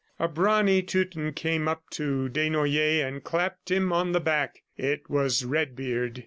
A brawny Teuton came up to Desnoyers and clapped him on the back. It was Redbeard.